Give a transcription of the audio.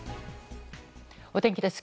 お天気です。